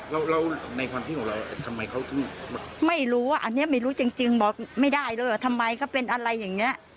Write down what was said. แล้วในความคิดของเราทำไมเขาถึงไม่รู้ว่าอันนี้ไม่รู้จริงบอกไม่ได้ด้วยว่าทำไมเขาเป็นอะไรอย่างนี้